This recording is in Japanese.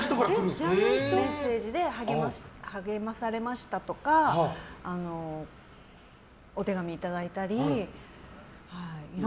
メッセージで励まされましたとかお手紙いただいたり、いろんな。